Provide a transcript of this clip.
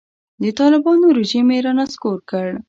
د طالبانو رژیم یې رانسکور کړ.